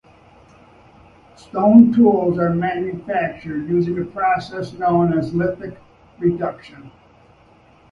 Stone tools are manufactured using a process known as lithic reduction.